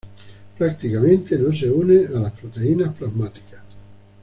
Prácticamente no se une a las proteínas plasmáticas.